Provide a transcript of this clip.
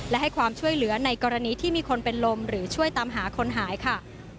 และให้ความช่วยเหลือในกรณีที่มีคนเป็นลมหรือช่วยตามหาคนหายค่ะ